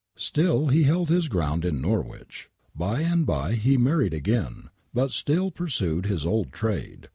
Still be beld bis ground in Norwicb. By and bye be married again, but still pursued bis old trade.